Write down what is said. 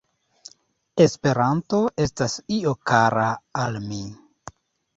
“Esperanto estas io kara al mi.